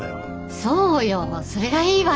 そうよ。それがいいわよ。